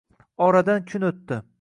Oradan kun o’tdi.